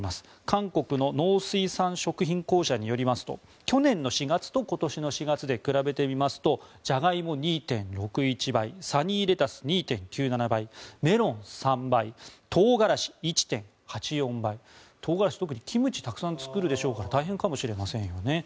韓国の農水産食品公社によりますと去年の４月と今年の４月で比べてみますとジャガイモ、２．６１倍サニーレタス、２．９７倍メロン、３倍トウガラシ、１．８４倍トウガラシ、特にキムチをたくさん作るでしょうから大変かもしれませんよね。